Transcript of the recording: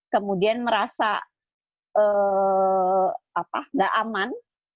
kemudian merasa tidak aman